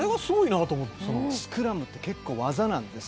スクラムって結構、技なんです。